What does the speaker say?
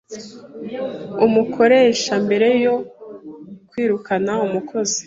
Umukoresha mbere yo kwirukana umukozi